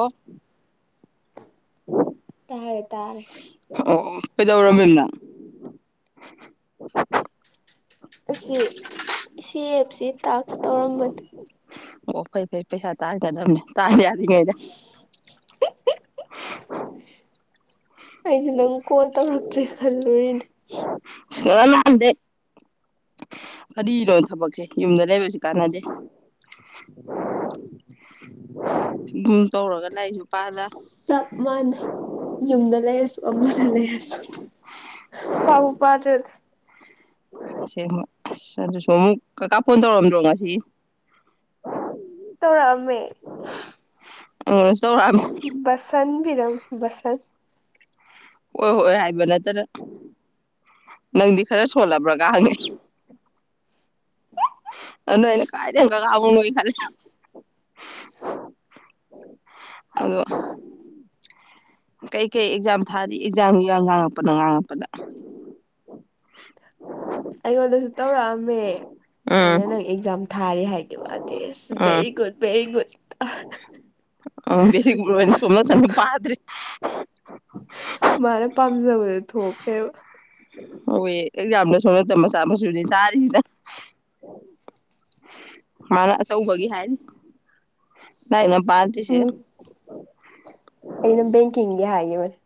ꯑꯣ ꯇꯥꯔꯦ ꯇꯥꯔꯦ ꯑꯣ ꯀꯩꯗꯧꯔꯝꯃꯤꯅ ꯑꯁꯤ ꯁꯤ ꯑꯦꯞꯁꯤ ꯇꯥꯛꯁ ꯇꯧꯔꯝꯕꯗ ꯑꯣ ꯐꯩ ꯐꯩ ꯄꯩꯁꯥ ꯇꯥꯟꯒꯗꯕꯅꯦ ꯇꯥ [unintelligible] ꯑꯩꯗꯤ ꯅꯪ ꯀꯣꯜ ꯇꯧꯔꯛꯇ꯭ꯔꯦ ꯈꯜꯂꯨꯔꯤꯅꯦ [unintelligible] ꯐꯔꯤꯅꯣ ꯊꯕꯛꯁꯦ ꯌꯨꯝꯗ ꯂꯩꯕꯁꯨ ꯀꯥꯟꯅꯗꯦ ꯌꯨꯝ ꯇꯧꯔꯒ ꯂꯥꯏꯔꯤꯛꯁꯨ ꯄꯥꯗ ꯆꯞ ꯃꯥꯟꯅꯩ ꯌꯨꯝꯗ ꯂꯩꯔꯁꯨ ꯑꯃꯗ ꯂꯩꯔꯁꯨ ꯄꯥꯕꯨ ꯄꯥꯗ꯭ꯔꯗꯤ ꯑꯁꯦꯡꯔ ꯑꯁ ꯑꯗꯨꯁꯨ ꯑꯃꯨꯛ ꯀꯥꯀꯥ ꯐꯣꯟ ꯇꯧꯔꯝꯗ꯭ꯔꯣ ꯉꯁꯤ ꯇꯧꯔꯛꯑꯝꯃꯦ ꯑꯣ ꯕꯁꯟ [unintelligible] ꯕꯁꯟ ꯍꯣꯏ ꯍꯣꯏ ꯍꯥꯏꯕ ꯅꯠꯇꯅ ꯅꯪꯗꯤ ꯈꯔ ꯁꯣꯜꯂꯕ꯭ꯔꯒ ꯍꯪꯉꯤ ꯑꯗꯨꯅ ꯑꯩꯅ ꯀꯥꯏꯗꯩ ꯀꯀꯥ ꯑꯃꯨꯛ ꯅꯣꯏꯈꯂꯦ ꯑꯣ ꯀꯩꯀꯩ ꯑꯦꯛꯖꯥꯝ ꯊꯥꯔꯤ ꯑꯦꯛꯖꯥꯝ ꯉꯥꯡꯉꯛꯄꯅꯦ ꯉꯥꯡꯉꯛꯄꯗ ꯑꯩꯉꯣꯟꯗꯁꯨ ꯇꯧꯔꯛꯑꯝꯃꯦ ꯎꯝ ꯑꯩꯅ ꯅꯪ ꯑꯦꯛꯖꯥꯝ ꯊꯥꯔꯤ ꯍꯥꯏꯒꯤꯕ ꯑꯗꯨꯏ ꯑꯁ ꯚꯦꯔꯤ ꯒꯨꯗ ꯚꯦꯔꯤ ꯒꯨꯗ [unintelligible] ꯄꯥꯗ꯭ꯔꯤ ꯃꯥꯅ ꯄꯥꯝꯖꯕꯗꯨ ꯊꯣꯛꯈ꯭ꯔꯦꯕ ꯍꯋꯦ ꯑꯦꯛꯖꯥꯝ ꯁꯣ ꯅꯠꯇ ꯃꯆꯥ ꯃꯁꯨꯅꯤ ꯊꯥꯔꯤꯁꯤꯅ ꯃꯥꯅ ꯑꯆꯧꯕꯒꯤ ꯍꯥꯏꯅꯤ ꯄꯥꯗ꯭ꯔꯤꯁꯤꯒ ꯎꯝ ꯑꯩꯅ ꯕꯦꯡꯀꯤꯡꯒꯤ ꯍꯥꯏꯒꯤꯕꯅꯦ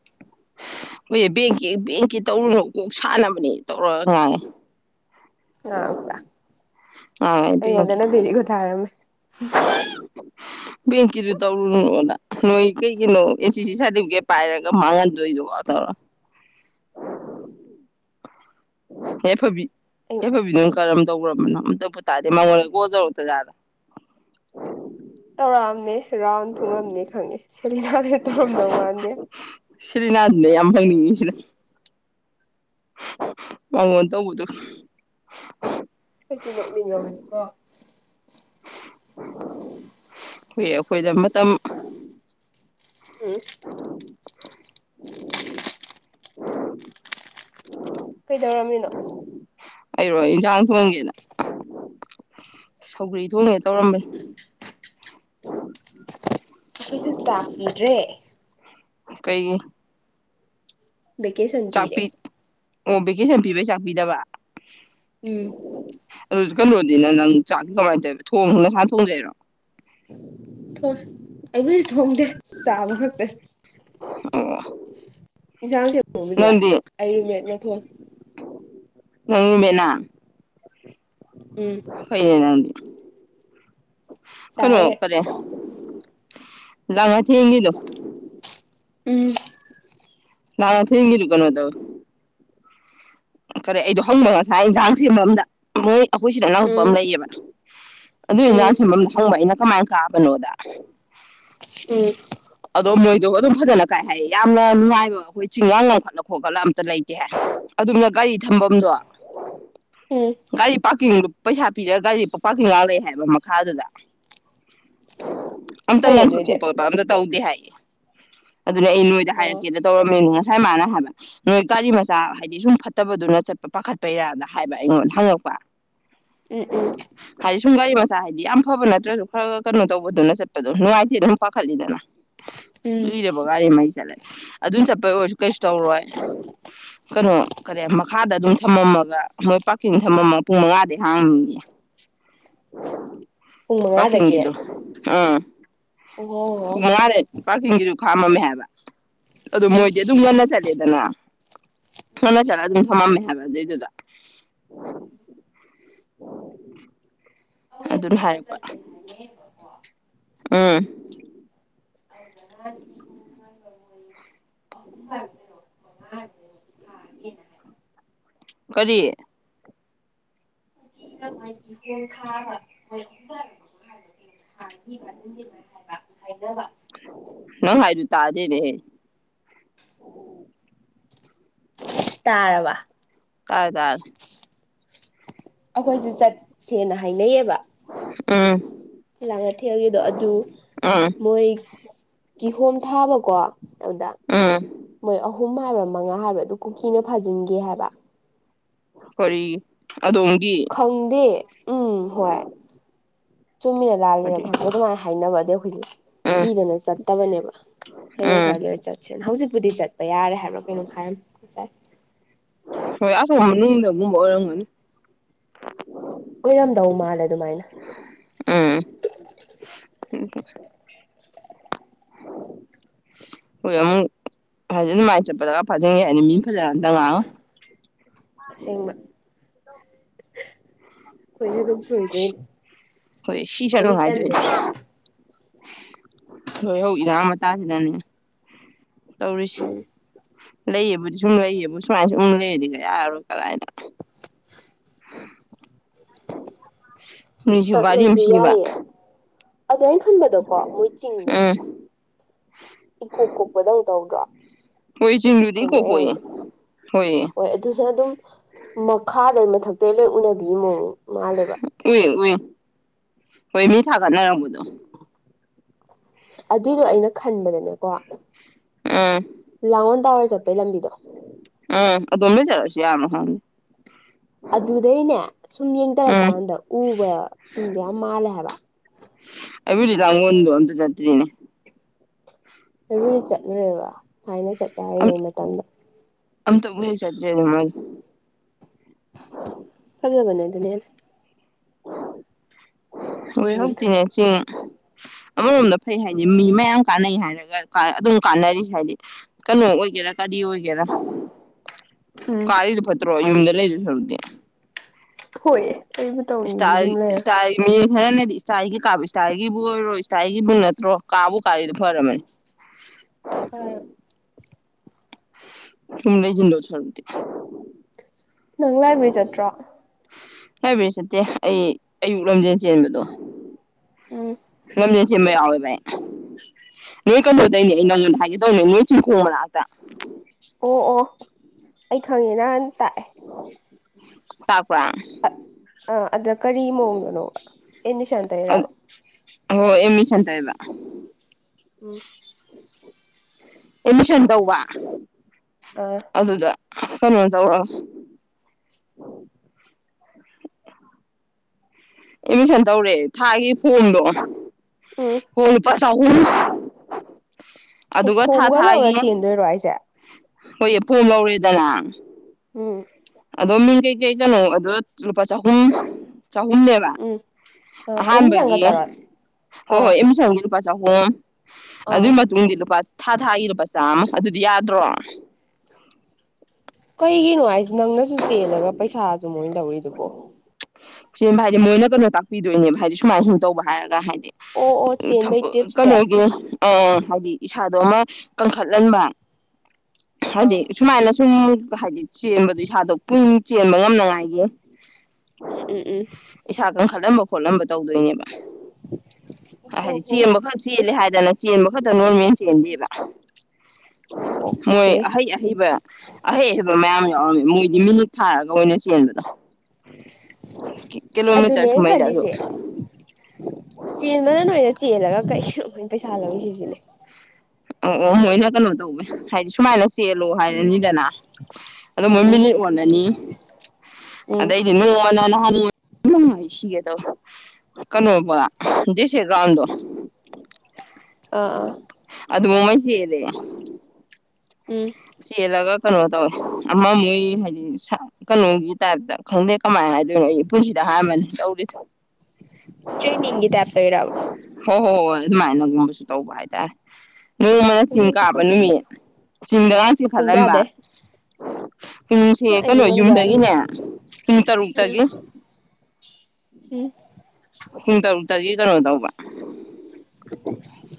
ꯍꯣꯏꯁꯦ ꯕꯦꯡꯀꯤ ꯕꯦꯡꯀꯤ ꯇꯧꯔꯨꯅ ꯀꯣꯛ ꯁꯥꯟꯅꯕꯅꯦ ꯇꯧꯔꯛꯑꯅꯨ ꯉꯥꯡꯉꯛꯄ꯭ꯔꯥ ꯉꯥꯡꯉꯦ ꯕꯦꯡꯀꯤ ꯑꯩꯉꯣꯟꯗꯅ ꯕꯦꯔꯤ ꯒꯨꯗ ꯊꯥꯔꯝꯃꯦ [unintelligible] ꯕꯦꯡꯀꯤꯗꯨ ꯇꯧꯔꯨꯅꯨꯅ ꯅꯣꯏ ꯀꯩꯒꯤꯅꯣ ꯑꯦꯁꯤ ꯁꯥꯔꯇꯤꯐꯤꯀꯦꯠ ꯄꯥꯏꯔꯒ ꯃꯥꯡꯍꯟ [unintelligible] ꯇꯧꯔ ꯌꯥꯏꯐꯕꯤ ꯑꯩ ꯌꯥꯏꯐꯕ ꯗꯨꯅ ꯀꯔꯝ ꯇꯧꯈ꯭ꯔꯕꯅꯣ ꯑꯝꯇꯕꯨ ꯇꯥꯗꯦ ꯃꯉꯣꯟ ꯀꯣꯜ ꯇꯧꯔꯛꯇꯖꯥꯠꯂꯣ ꯇꯧꯔꯝꯅꯤ ꯔꯥꯎꯟ ꯊꯨꯡꯉꯝꯅꯤ ꯈꯪꯉꯦ ꯀꯔꯤ ꯌꯥꯗ ꯊꯣꯝꯗꯎ ꯋꯥꯗꯦ ꯁꯤꯔꯤꯅ ꯑꯃ ꯅꯤꯡꯉꯁꯤ ꯋꯥꯉ ꯇꯧꯕꯗ ꯑꯩꯁꯨ ꯅꯣꯛꯅꯤꯡꯉꯕꯅꯤꯀꯣ ꯍꯣꯏ ꯑꯩꯈꯣꯏꯗ ꯃꯇꯝ ꯎꯝ ꯀꯩꯗꯧꯔꯝꯃꯤꯅꯣ ꯑꯩꯔꯣꯏ ꯏꯟꯁꯥꯡ ꯊꯣꯡꯒꯦꯅ ꯁꯧꯒ꯭ꯔꯤ ꯊꯣꯡꯉꯦ ꯇꯧꯔꯝꯕꯅꯤ ꯑꯩꯈꯣꯏꯁꯨ ꯆꯥꯛꯄꯤꯗ꯭ꯔꯦ ꯀꯩ ꯕꯦꯀꯦꯁꯟ ꯄꯤꯔꯦ ꯑꯣ ꯚꯦꯀꯦꯁꯟ ꯄꯤꯕꯩ ꯆꯥꯛ ꯄꯤꯗꯕ ꯎꯝ ꯑꯗꯨꯁꯨ ꯀꯩꯅꯣꯗꯤꯅꯦ ꯅꯪ ꯆꯥꯛꯗꯤ ꯀꯃꯥꯏꯅ ꯇꯧꯋ ꯊꯣꯡ ꯅꯁꯥ ꯊꯣꯡꯖꯩꯔꯣ ꯊꯣꯏ ꯑꯩꯕꯨꯗꯤ ꯊꯣꯝꯗꯦ ꯆꯥꯕ ꯉꯥꯛꯛꯇ ꯑ ꯏꯟꯁꯥꯡ ꯊꯦꯣꯡꯕꯗꯤ ꯌꯥꯏ ꯑꯩꯔꯨꯃꯦꯠ ꯅ ꯊꯣꯟ ꯎ ꯃꯅꯥ ꯎꯝ ꯐꯅꯗꯤ ꯀꯩꯅꯣ ꯆꯥꯔꯦ ꯐꯔꯦ ꯂꯉ ꯊꯒꯗꯣ ꯎꯝ ꯅ ꯊ ꯍꯂꯨ ꯀ ꯇꯧ ꯀꯔ ꯑꯩꯗꯣ ꯍꯧꯅ ꯉꯁꯥꯏ ꯏꯟꯖꯥꯡꯁꯤꯒꯤ ꯃꯔꯝꯗ ꯃꯣꯏ ꯑꯩꯈꯣꯏ ꯁꯤꯗ ꯑꯅꯥꯎꯄ ꯎꯝ ꯑꯃ ꯂꯩꯌꯦꯕꯅ ꯑꯗꯨ ꯎꯝ ꯏꯟꯖꯥꯡꯁꯃꯝ ꯍꯪꯕ ꯑꯩꯅ ꯃꯥꯅ ꯀꯥꯕꯅꯣꯗ ꯎꯝ ꯑꯗꯣ ꯃꯣꯏꯗꯣ ꯑꯗꯨꯝ ꯐꯖꯅ ꯀꯥꯏ ꯍꯥꯏꯌꯦ ꯌꯥꯝꯅ ꯅꯨꯡꯉꯥꯏꯕ ꯑꯩꯈꯣꯏ ꯆꯤꯡꯉꯥꯡ ꯉꯈꯠꯂ ꯈꯣꯠꯀꯠꯂ ꯑꯝꯇ ꯂꯩꯇꯦ ꯍꯥꯏ ꯑꯗꯨꯝꯅ ꯒꯥꯔꯤ ꯊꯝꯐꯝꯗꯣ ꯎꯝ ꯒꯥꯔꯤ ꯄ ꯄꯥꯡ ꯄꯩꯁꯥ ꯄꯤꯔꯒ ꯒꯥꯔꯤꯁꯤ ꯄꯥꯔꯀꯤꯡ ꯉ ꯂꯩ ꯍꯥꯏꯕ ꯃꯈꯥꯗꯨꯗ ꯐꯩ ꯑꯗꯨꯏꯗꯤ ꯑꯣꯄ ꯗꯦ ꯍꯥꯏꯌꯦ ꯑꯗꯨꯅ ꯑꯩ ꯅꯣꯏꯗ ꯑꯣ ꯍꯥꯏꯔꯛꯀꯦꯗ ꯇꯧꯔꯝꯃꯤꯅ ꯉꯁꯥꯏ ꯃꯥꯅ ꯍꯥꯏꯕ ꯅꯣꯏ ꯒꯥꯔꯤ ꯃꯆꯥ ꯍꯥꯏꯗꯤ ꯁꯨꯝ ꯐꯠꯇꯕꯗꯨꯅ ꯆꯠꯄ ꯄꯥꯈꯠꯄꯩꯔꯥꯗ ꯍꯥꯏꯕ ꯑꯩꯉꯣꯟꯗ ꯍꯪꯉꯛꯄ ꯎꯝ ꯎꯝ ꯍꯥꯏꯥꯏ ꯁꯨꯡꯒꯥꯏꯕ ꯆꯁ ꯍꯥꯏꯗꯤ ꯌꯥꯝ ꯐꯕ ꯅꯠꯇ꯭ꯔꯁꯨ ꯈꯔ ꯈ ꯀꯩꯅꯣ ꯇꯧꯕꯗꯨꯅ ꯆꯠꯄꯗꯣ ꯅꯨꯡꯉꯥꯏꯇꯦ ꯑꯗꯨꯝ ꯄꯥꯈꯠꯂꯤꯗꯅ ꯎꯝ ꯏꯗꯕꯣ ꯒꯥꯔꯤ ꯃꯥꯏ ꯆꯂꯦ ꯑꯗꯨꯝ ꯆꯠꯄꯩ ꯑꯣꯏꯔꯁꯨ ꯀꯩꯁꯨ ꯇꯧꯔꯣꯏ ꯀꯩꯅꯣ ꯀꯔꯤ ꯃꯈꯥꯗ ꯑꯗꯨꯝ ꯊꯝꯃꯝꯃꯒ ꯃꯣꯏ ꯄꯥꯔꯀꯤꯡ ꯊꯝꯃꯝꯃꯒ ꯄꯨꯡ ꯃꯉꯥꯗꯤ ꯍꯥꯡꯅꯤꯡꯉ ꯄꯨꯡ ꯄꯀꯤ ꯃꯉꯥꯗꯒꯤ ꯍꯗꯨ ꯑꯥ ꯑꯣ ꯄꯥꯔꯀꯤꯡꯁꯤꯁꯨ ꯈꯥꯝꯃꯝꯃꯦ ꯍꯥꯏꯕ ꯑꯗꯨ ꯎꯝ ꯃꯣꯏꯗꯤ ꯑꯗꯨꯝ ꯉꯟꯅ ꯆꯠꯂꯦꯗꯅ ꯍꯂ ꯆꯠꯂ ꯑꯗꯨꯝ ꯊꯝꯃꯝꯃꯦ ꯍꯥꯏꯕ ꯑꯗꯨꯏꯗꯨꯗ ꯑꯣ ꯑ ꯦ ꯍꯥꯏ ꯎꯝ ꯀꯔꯤ ꯈꯥ ꯑꯣ ꯅ ꯍꯥꯏ ꯑꯗꯨ ꯇꯥꯖꯦ ꯔꯦ ꯇꯥꯔꯔꯕ ꯇꯥꯏ ꯇꯔ ꯑꯩꯈꯣꯏꯁꯨ ꯆꯠꯁꯦꯅ ꯍꯥꯏꯅꯩꯌꯦꯕ ꯑꯥ ꯂꯥꯡꯅ ꯊꯦꯜꯦꯗꯣ ꯑꯗꯨ ꯎꯝ ꯃꯣꯏ ꯀꯤꯍꯣꯝ ꯊꯥꯕꯀꯣ ꯑꯦꯗ ꯎꯝ ꯃꯣꯏ ꯑ ꯑꯍꯨꯝ ꯍꯥꯏꯕ꯭ꯔꯥ ꯃꯉꯥ ꯍꯥꯏꯕ꯭ꯔꯥ ꯑꯗꯨ ꯀꯨꯀꯤꯅ ꯐꯥꯖꯤꯟꯒꯦ ꯍꯥꯏꯕ ꯀ ꯈꯪꯗꯦ ꯎꯝ ꯍꯣꯏ ꯆꯨꯝꯃꯤꯔꯥ ꯂꯥꯜꯂꯤꯔ ꯍꯥꯏꯗꯤ ꯈꯪꯗꯦ ꯑꯗꯨꯃꯥꯏꯅ ꯍꯥꯏꯅꯕ ꯑꯗꯨꯧꯈꯣꯏꯖꯦ ꯎꯝ ꯀꯤꯗꯅ ꯆꯠꯇꯕꯅꯦꯕ ꯍꯌꯦꯡ ꯎꯝ ꯈꯔ ꯂꯣꯏꯔ ꯆꯠꯁꯦꯅ ꯍꯧꯖꯤꯛꯇ ꯕꯨꯗꯤ ꯆꯠꯄ ꯌꯥꯔꯦ ꯍꯥꯏꯕ꯭ꯔꯣ ꯀꯩꯅꯣ ꯍꯥꯏꯔ ꯑꯁ ꯅꯨꯡꯗꯕ ꯑꯣꯏꯔꯝꯒꯅꯤ ꯑꯣꯏꯔꯝꯗꯧ ꯃꯥꯜꯂꯦ ꯑꯗꯨꯃꯥꯏꯅ ꯎꯝ ꯍꯣꯏ ꯑꯃꯨꯛ ꯍꯥꯏꯗꯤ ꯑꯗꯨꯃꯥꯏꯅ ꯆꯠꯄꯗꯒ ꯐꯥꯖꯟꯒꯦ ꯍꯥꯏꯗꯤ ꯃꯤ ꯐꯖꯔꯇ ꯉꯥꯡ ꯑꯁꯦꯡꯕ ꯑꯩꯈꯣꯏꯅ ꯑꯗꯨꯝ ꯁꯣꯏꯗꯣꯏꯅꯦ ꯍꯣꯏ ꯁꯤ ꯑꯗꯨꯏ ꯆꯠꯂꯨ ꯍꯥꯏꯗꯣꯏꯅꯦ ꯇꯜꯂꯦꯀꯣ ꯍꯣꯏ ꯍꯧꯔꯥꯡ ꯃꯇꯥꯁꯤꯗꯅꯦ ꯇꯧꯔꯤꯁꯤ ꯂꯩꯌꯦꯕꯨꯗꯤ ꯁꯨꯝ ꯂꯩꯌꯦꯕ ꯁꯨꯃꯥꯏꯅ ꯁ ꯁꯨꯝ ꯂꯩꯔꯗꯤꯒ ꯌꯥꯔꯣꯏ ꯀꯗꯥꯥꯏꯗ [unintelligible] ꯍꯅꯤꯁꯨꯕꯗꯤꯝꯁꯤꯕ ꯑꯗꯨ ꯑꯩꯅ ꯈꯟꯕꯗꯣꯀꯣ ꯃꯣꯏ ꯆꯤꯡꯗꯣ ꯏꯀꯣꯛ ꯀꯣꯛꯄꯗꯧ ꯇꯧꯗ꯭ꯔꯣ ꯍꯣꯏ ꯆꯤꯡꯗꯨꯗꯤ ꯈꯪꯅꯦ ꯀꯣꯛ ꯀꯣꯛꯑꯦ ꯍꯥꯏꯁꯦ ꯍꯣꯏ ꯑꯗꯨꯁꯨ ꯑꯗꯨꯝ ꯃꯈꯥꯗ ꯃꯊꯛꯇꯇꯩ ꯂꯣꯏ ꯎꯅꯕꯤ ꯃꯑꯣꯣ ꯑꯦ ꯍꯣꯏ ꯃꯤ ꯊꯥꯒꯠꯅꯔꯝꯕꯗꯣ ꯑꯗꯨꯏꯗꯣ ꯑꯩꯅ ꯈꯟꯕꯗꯅꯦ ꯀ ꯂꯥꯎꯟ ꯇꯋꯥꯔ ꯑ ꯑ ꯇꯣꯝꯅ ꯆꯥꯔ [unintelligible] ꯀꯌꯥꯅꯣ ꯍ ꯑꯗꯨꯗꯩꯅꯦ ꯁꯨꯝ ꯎꯝ ꯌꯦꯡꯗꯔꯛꯀꯥꯟꯗ ꯎꯕ ꯆꯤꯡꯗꯨ ꯌꯥꯝ ꯃꯥꯜꯂꯦ ꯍꯥꯏꯕ ꯑꯩ ꯂꯤ ꯂꯣꯟꯗ ꯑꯇ ꯆꯇ꯭ꯔꯤꯅꯤ ꯑꯩꯕꯨꯗꯤ ꯆꯠꯂꯨꯔꯦꯕꯥ ꯊꯥꯏꯅ ꯆꯠ ꯌꯥꯏꯌꯦ ꯃꯇꯝꯗ ꯑꯝꯇ ꯎꯂꯤ ꯆꯠꯖꯦ ꯑ ꯐꯂ ꯃꯅꯦ ꯑꯗꯨꯅꯦꯅ ꯍꯣꯏ ꯚ꯭ꯌꯨꯗꯣ ꯍꯇꯅꯦ ꯁꯤ ꯑꯃꯔꯣꯝꯗ ꯐꯩ ꯍꯥꯏꯗꯤ ꯃꯤ ꯃꯌꯥꯝ ꯀꯥꯟꯅꯩ ꯍꯥꯏꯔꯒ ꯑꯗꯨꯝ ꯀꯥꯟꯅꯔꯤꯁꯦ ꯍꯥꯏꯗꯤ ꯀꯩꯅꯣ ꯑꯣꯏꯒꯦꯔꯥ ꯀꯔꯤ ꯑꯣꯏꯒꯦꯔꯥ ꯎꯝ ꯀꯥ ꯐꯠꯇ ꯌꯨꯝꯗ ꯂꯩꯗꯨ ꯁꯔꯨꯗ ꯍꯣꯏ [unintelligible] ꯀ ꯃꯇꯧꯅꯤꯨꯝꯗ ꯁꯨꯝ ꯂꯩꯔ ꯏꯁꯇꯥꯏꯜꯒꯤ ꯃꯤ ꯈꯔꯅꯗꯤ ꯏꯁꯇꯥꯒꯤ ꯀꯥꯕꯨ ꯏꯁꯇꯒꯤꯕꯨ ꯑꯣꯏꯔꯣ ꯏꯁꯇꯥꯒꯤꯕꯨ ꯅꯠꯇ꯭ꯔꯣ ꯀꯥꯕꯨ ꯀꯥꯔꯤꯗꯨꯣ ꯐꯔꯝꯃꯅꯤ ꯈꯥꯏꫪ‌ꯣ ꯇꯃꯤ ꯂꯩ ꯆ ꯂꯧꯁꯔꯗꯤ [unintelligible] ꯅꯪ ꯂꯥꯏꯕ꯭ꯔꯦꯔꯤ ꯆꯠꯇ꯭ꯔꯣ ꯍꯥꯏꯕꯔꯤ ꯆꯠꯇꯦ ꯑꯩ ꯑꯌꯨꯛ ꯂꯝꯖꯦꯜ ꯆꯦꯟꯕꯗꯣ ꯎꯝ ꯔꯖ ꯃ ꯌꯥꯎꯋꯦ ꯚꯥꯏ ꯅꯣꯏ ꯀꯩꯅꯣꯗꯩꯅꯦ ꯑꯩ ꯅꯪꯉꯣꯟꯗ ꯍꯥꯏꯒꯗꯧꯅꯦ ꯅꯣꯏ ꯆꯤꯡꯈꯣꯡꯕꯅꯥꯛꯇ ꯑꯣ ꯑꯣ ꯑꯩ ꯈꯪꯉꯤ ꯅꯍꯥꯟ ꯇꯥ ꯄꯛꯄꯔꯥ ꯑ ꯑꯗ ꯀꯔꯤ ꯃꯣꯉꯅꯣꯕ ꯑꯦꯅꯤ ꯆꯥꯟꯗꯔꯕ ꯑꯣ ꯑꯦꯃꯤꯁꯇ ꯏꯕ ꯎꯡ ꯑꯦꯂꯁꯟꯗꯧꯋꯥ ꯑꯥ ꯑꯗꯨꯗ ꯀꯩꯅ ꯆ ꯑꯦꯠꯃꯤꯁꯟ ꯇꯧꯔꯑꯦ ꯊꯥꯒꯤ ꯐꯣꯝꯗꯣ ꯎꯝ ꯀꯣꯏ ꯄꯥꯁ ꯆꯥꯎꯍꯨꯝ ꯑꯣ ꯐꯣꯝꯒ ꯂꯧꯔ ꯆꯦꯟꯗꯣꯏꯔꯣ ꯍꯥꯏꯁ‌ꯦ ꯍꯣꯏꯌ‌ꯦ ꯐ‌ꯣꯝ ꯂꯧꯔꯦꯗꯅꯥ ꯎꯡ ꯑꯗꯣ ꯃꯤꯡ ꯀꯩ ꯀꯩ ꯀꯩꯅꯣ ꯑꯗꯨ ꯂꯨꯄꯥ ꯆꯍꯨꯝ ꯆꯍꯨꯝꯅꯦꯕ ꯎꯝ ꯑꯥ ꯑꯦꯗꯃꯤꯁꯟꯒ ꯑꯍꯥꯟꯕꯒꯤ ꯇꯧꯔ ꯍꯣꯏ ꯑꯥ ꯍꯣꯏ ꯑꯃ ꯆꯪꯉꯦ ꯖ ꯍꯣꯝ ꯑꯥ ꯑꯗꯨꯒꯤ ꯃꯇꯨꯡꯗꯤ ꯂꯨꯄꯥ ꯊꯥ ꯊꯥꯒꯤ ꯂꯨꯄꯥ ꯆꯥꯝꯃ ꯑꯗꯨꯗꯤ ꯌꯥꯗ꯭ꯔꯣ ꯀꯩꯒꯤꯅꯣꯉꯥꯏꯁꯦ ꯅꯪꯅꯁꯨ ꯆꯦꯜꯂꯒ ꯄꯩꯁꯥꯁꯨ ꯃꯣꯏ ꯂꯧꯔꯤꯗꯨꯕꯣ ꯆꯕ ꯍꯥꯏꯗꯤ ꯃꯣꯏꯅ ꯀꯩꯅꯣ ꯇꯥꯛꯄꯤꯗꯣꯏꯅꯦꯕ ꯍꯥꯏꯗꯤ ꯁꯨꯃꯥꯏꯅ ꯁꯨꯝ ꯇꯧꯕ ꯍꯥꯏꯔꯒ ꯍꯥꯏꯗꯤ ꯑꯣ ꯑꯣ ꯊ ꯆꯦꯟꯕꯩ ꯇꯤꯞꯁꯦ ꯀꯜꯂꯒꯦ ꯑ ꯍꯥꯏꯗꯤ ꯏꯁꯥꯗꯣ ꯑꯃ ꯀꯟꯈꯠꯍꯟꯕ ꯍꯥꯏꯗꯤ ꯑꯥ ꯁꯨꯃꯥꯏꯅ ꯁꯨꯝ ꯍꯥꯏꯗꯤ ꯆꯦꯟꯕꯗꯨꯣ ꯏꯁꯥꯗꯣ ꯄꯨꯛꯅꯤꯡ ꯆꯦꯟꯕ ꯉꯝꯅꯉꯥꯏꯒꯤ ꯎꯝ ꯎꯝ ꯎꯝ ꯈꯜꯂꯝꯕ ꯈꯣꯠꯂꯝꯕ ꯇꯧꯗꯣꯏꯅꯦꯕ ꯍꯣ ꯍꯥꯏꯗꯤ ꯍꯣ ꯆꯦꯟꯕ ꯈꯔ ꯆꯦꯜꯂꯦ ꯍꯥꯏꯗꯤ ꯑꯗꯨꯗꯅ ꯆꯦꯟꯕ ꯈꯛꯇ ꯅꯣꯔꯃꯦꯅ ꯆꯦꯟꯗꯦꯕ ꯃꯣꯏ ꯑꯣꯀꯦ ꯑꯍꯩ ꯑꯍꯩꯕ ꯑꯍꯩ ꯑꯍꯩꯕ ꯃꯌꯥꯝ ꯧꯔꯝ ꯃꯣꯏꯗꯤ ꯃꯤꯅꯤꯠ ꯊꯥꯔꯒ ꯑꯣꯏꯅ ꯆꯦꯟꯕꯗꯣ [unintelligible] ꯀꯤꯂꯣꯃꯤꯇꯔ ꯑꯗꯨꯅꯦꯅ ꯁꯨꯃꯩꯗ ꯑꯗꯣ ꯈꯜꯂꯤꯁꯦ ꯆꯦꯟꯕꯅ ꯅꯔ ꯆꯦꯜꯂꯒ ꯀꯩ ꯑꯩꯈꯣꯏꯅ ꯄꯩꯁꯥ ꯂꯧꯏꯤ ꯁꯤꯁꯤꯅꯦ ꯑꯣ ꯑꯣ ꯃꯣꯏꯅ ꯀꯩꯅꯣ ꯇꯧꯋꯦ ꯍꯥꯏꯗꯤ ꯁꯨꯃꯥꯏꯅ ꯆꯦꯜꯂꯣ ꯎꯝ ꯍꯥꯏꯔꯅꯤꯗꯅ ꯑꯗꯨ ꯎꯝ ꯃꯣꯏ ꯎꯝ ꯃꯤꯅꯤꯠ ꯑꯣꯜꯂꯅꯤ ꯎꯝ ꯑꯗ ꯍ ꯅꯨꯡꯉꯥꯏ ꯁꯤꯒꯗꯕ ꯀꯩꯅꯣꯧꯕ ꯦꯁꯦ ꯔꯥꯎꯟꯗꯣ ꯑꯥ ꯑꯥ ꯑꯗꯨꯗꯕꯨꯣꯃꯁꯤꯦꯗꯦ ꯎꯝ ꯁꯤꯂꯒ ꯀꯩꯅꯣ ꯇꯧꯋꯦ ꯑꯃ ꯃꯣꯏ ꯍꯥꯏꯗꯤ ꯀꯩꯅꯣꯒꯤ ꯇꯥꯏꯞꯇ ꯈꯪꯗꯦ ꯀꯃꯥꯏꯅ ꯍꯥꯏꯗꯣꯏꯅꯣ ꯑꯩ ꯄꯨꯟꯁꯤꯗ ꯍꯥꯏꯥꯟꯕꯅꯤ ꯇꯧꯔꯤꯁꯨ ꯇ꯭ꯔꯦꯅꯤꯡꯒꯤꯗꯞꯇ ꯍꯔꯕ ꯍꯣꯏ ꯍꯣꯏ ꯍꯣꯏ ꯑꯗꯨꯃꯥꯏꯅꯒꯨꯝꯕꯁꯨ ꯇꯧꯕ ꯍꯥꯏꯇꯥꯔꯦ ꯅꯣꯏ ꯑꯃꯅ ꯎꯝ ꯆꯤꯡ ꯀꯥꯕ ꯅꯨꯃꯤꯠ ꯆꯤꯡꯗ ꯂꯥ ꯆꯤꯡ ꯄꯨꯡ ꯐꯜꯂ ꯍꯕ ꯀꯌꯥꯗꯩ ꯄꯨꯡꯁꯦ ꯑꯩꯗꯤ ꯀꯩꯅꯣ ꯉꯝꯖꯔꯔꯣꯏ ꯌꯨꯝꯗꯒꯤꯅꯦ ꯄꯨꯡ ꯎꯝ ꯇꯔꯨꯛꯇꯒꯤ ꯎꯝ ꯄꯨꯡ ꯇꯨꯛꯇꯒꯤ ꯀꯩꯅꯣ ꯇꯧꯕ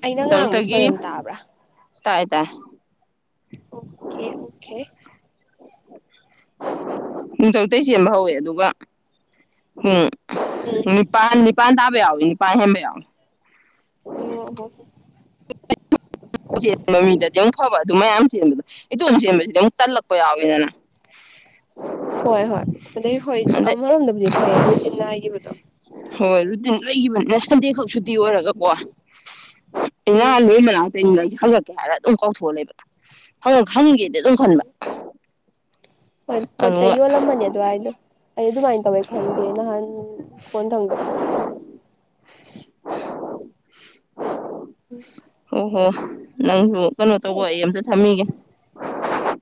ꯑꯩꯅ ꯉꯥꯡꯕꯁꯨ ꯇꯔꯨꯛꯇꯒꯤ ꯐꯖꯅ ꯇꯥꯕ꯭ꯔꯥ ꯇꯥꯏ ꯇꯥꯏ ꯑꯣꯀꯦ ꯑꯣꯀꯦ ꯄꯨꯡ ꯇꯔꯨꯇꯩ ꯆꯦꯟꯕ ꯍꯧꯋꯦ ꯑꯗꯨꯒ ꯍꯝ ꯎꯝ ꯅꯤꯄꯥꯥꯟ ꯅꯤꯄꯥꯥꯟ ꯇꯥꯕꯦꯥꯎ ꯏꯅꯤ ꯄꯥꯏ ꯍꯦꯝꯕ ꯌꯥꯎ ꯑꯣ ꯑꯣ ꯆꯦꯟꯕ ꯃꯤꯗꯗꯤ ꯐꯕ ꯑꯗꯨ ꯃꯌꯥꯝ ꯆꯦꯟꯕꯗꯣ ꯏꯇꯣꯝ ꯆꯦꯟꯕꯁꯤꯗ ꯑꯃꯨꯛ ꯇꯜꯂꯛꯄ ꯌꯥꯎꯋꯦꯗꯅ ꯍꯣꯏ ꯍꯣꯏ ꯑꯗꯩ ꯍꯣꯏ ꯑꯗꯩ ꯑꯃꯔꯣꯝꯗꯕꯨꯗꯤ ꯐꯩ ꯔꯨꯇꯤꯟꯅꯥ ꯍꯥꯏꯈꯤꯕꯗꯣ ꯅꯒꯤ ꯁꯟꯗꯦ ꯈꯛ ꯁꯨꯇꯤ ꯑꯣꯏꯔꯒꯀꯣ ꯎꯝ ꯏꯂꯨ ꯃ ꯁꯦ ꯍꯪꯉꯛꯀꯦ ꯍꯥꯏꯔꯒ ꯑꯗꯨꯝ ꯀꯥꯎꯊꯣꯛꯂꯦꯕ ꯍꯪꯉꯛ ꯍꯪꯒꯦꯗꯤ ꯑꯗꯨꯝ ꯈꯟꯕ ꯍꯣꯏ ꯄꯣꯠ ꯆꯩ ꯑꯗꯨꯒ ꯌꯣꯜꯂꯝꯕꯅꯦ ꯑꯗꯨꯋꯥꯏꯗꯣ ꯑꯩ ꯑꯗꯨꯃꯥꯏꯅ ꯇꯧꯋꯦ ꯈꯪꯗꯦ ꯅꯍꯥꯟ ꯈꯣꯟꯊꯪꯗ ꯈꯪꯕꯅꯤ ꯎꯝ ꯑꯣ ꯅꯪꯕꯨ ꯀꯩꯅꯣ ꯇꯧꯕ ꯑꯩ ꯑꯝꯇ ꯊꯝꯃꯤꯒꯦ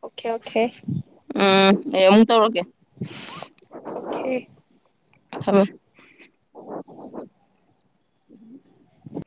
ꯑꯣꯀꯦ ꯑꯣꯀꯦ ꯎꯝ ꯌꯦꯃ ꯇꯧꯦ ꯑꯣꯀꯦ ꯍꯕ ꯎꯝ